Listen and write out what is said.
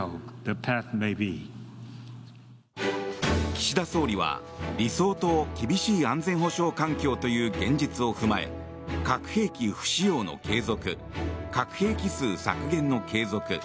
岸田総理は理想と厳しい安全保障環境という現実を踏まえ核兵器不使用の継続核兵器数削減の継続